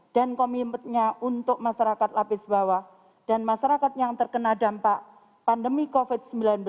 dan komitmennya untuk masyarakat lapis bawah dan masyarakat yang terkena dampak pandemi covid sembilan belas